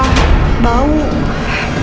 padahal aku juga udah bantuin ibu mas